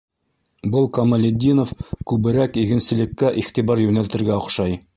Был Камалетдинов күберәк игенселеккә иғтибар йүнәлтергә оҡшай.